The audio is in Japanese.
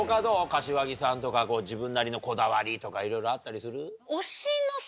柏木さんとか自分なりのこだわりとかいろいろあったりする？